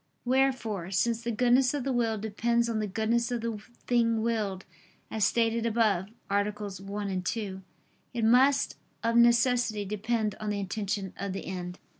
Wherefore, since the goodness of the will depends on the goodness of the thing willed, as stated above (AA. 1, 2), it must, of necessity, depend on the intention of the end.